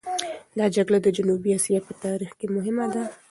دا جګړه د جنوبي اسیا په تاریخ کې مهمه ده.